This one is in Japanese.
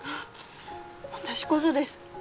私こそです。